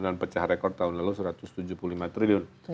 dan pecah rekord tahun lalu satu ratus tujuh puluh lima triliun